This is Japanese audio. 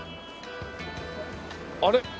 あれ？